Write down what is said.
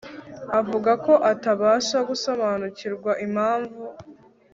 avuga ko atabasha gusobanukirwa impamvu